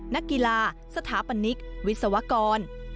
นักกีฬาสถาปนิกวิศวกร